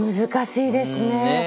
難しいですね。